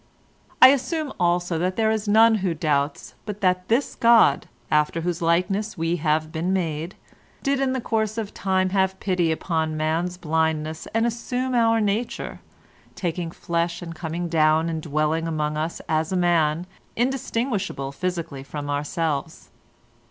"I assume also that there is none who doubts but that this God, after whose likeness we have been made, did in the course of time have pity upon man's blindness, and assume our nature, taking flesh and coming down and dwelling among us as a man indistinguishable physically from ourselves.